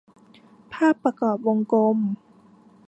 ภาพประกอบวงกลม